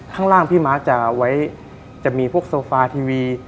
ข้างล่างพี่ม้าจะไว้จะมีพวกโซฟาทีวี